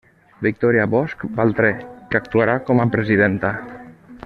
Victòria Bosch Paltré, que actuarà com a presidenta.